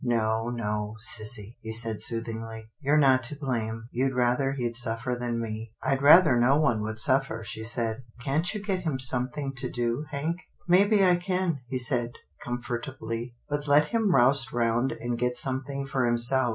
"" No, no, sissy," he said soothingly. " You're not to blame. You'd rather he'd suffer than me." " I'd rather no one would suffer," she said. Can't you get him something to do. Hank? "" Maybe I can," he said, comfortably, " but let him rouse round and get something for himself.